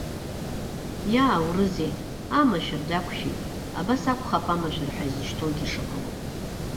Иааурызеи, амашәыр дақәшәеит, абас акәхап амашәыр ҳәа изышьҭоугьы шыҟало.